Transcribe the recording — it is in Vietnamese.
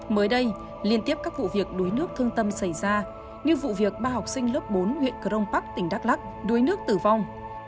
mới đây liên tiếp các vụ việc đuối nước thương tâm xảy ra như vụ việc ba học sinh lớp bốn huyện crong park tỉnh đắk lắc đuối nước tử vong